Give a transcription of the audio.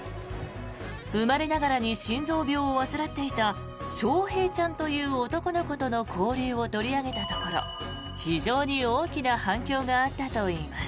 生まれながらに心臓病を患っていた翔平ちゃんという男の子との交流を取り上げたところ非常に大きな反響があったといいます。